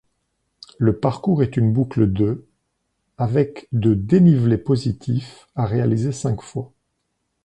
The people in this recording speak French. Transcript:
Le parcours est une boucle de avec de dénivelé positif à réaliser cinq fois.